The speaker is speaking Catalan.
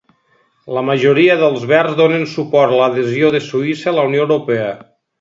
La majoria dels verds donen suport a l'adhesió de Suïssa a la Unió Europea.